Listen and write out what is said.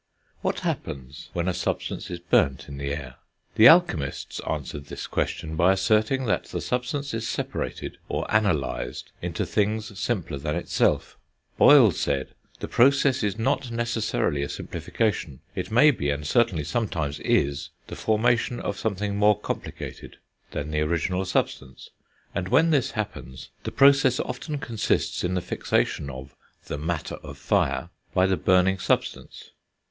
What happens when a substance is burnt in the air? The alchemists answered this question by asserting that the substance is separated or analysed into things simpler than itself. Boyle said: the process is not necessarily a simplification; it may be, and certainly sometimes is, the formation of something more complicated than the original substance, and when this happens, the process often consists in the fixation of "the matter of fire" by the burning substance.